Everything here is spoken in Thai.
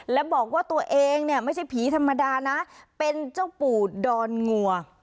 แล้วบอกว่าตัวเองเนี่ยไม่ใช่ผีธรรมดานะเป็นเจ้าปู่ดอนงัว